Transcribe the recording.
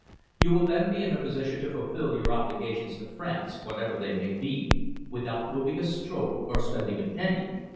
You will then be in a position to fulfil your obligations to France, whatever they may be, without moving a stroke or spending a penny.